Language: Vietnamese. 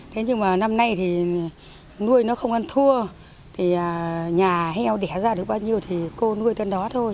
thế nhưng mà năm nay thì nuôi nó không ăn thua thì nhà heo đẻ ra được bao nhiêu thì cô nuôi con đó thôi